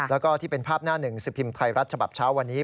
แล้วก็ที่เป็นภาพหน้าหนึ่งสิบพิมพ์ไทยรัฐฉบับเช้าวันนี้